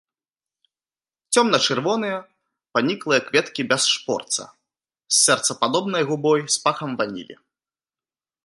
Цёмна-чырвоныя, паніклыя кветкі без шпорца, з сэрцападобнай губой з пахам ванілі.